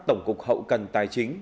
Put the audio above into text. tổng cục hậu cần tài chính